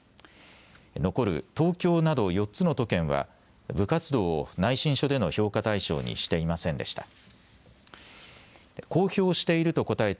残る東京など４つの都県は部活動を内申書での評価対象にしていませんでした。